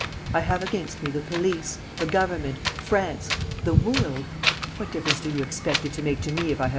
I have against me the police, the government, France, the world. What difference do you expect it to make to me if I have M.